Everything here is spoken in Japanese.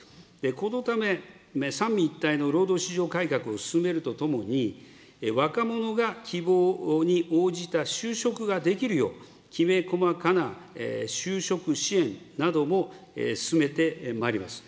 このため、三位一体の労働市場改革を進めるとともに、若者が、希望に応じた就職ができるよう、きめ細かな就職支援なども進めてまいります。